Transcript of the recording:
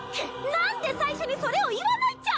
何で最初にそれを言わないっちゃ！